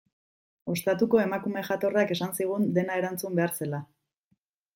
Ostatuko emakume jatorrak esan zigun dena erantzun behar zela.